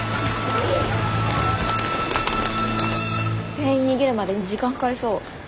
全員逃げるまでに時間かかりそう。